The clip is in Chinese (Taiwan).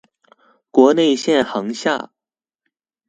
國內線航廈